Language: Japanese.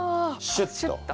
シュッと。